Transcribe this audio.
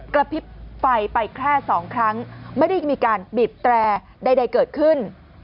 กระพริบไฟไปแค่๒ครั้งไม่ได้มีการบีบแตรใดเกิดขึ้น